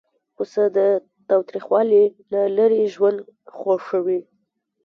پسه د تاوتریخوالي نه لیرې ژوند خوښوي.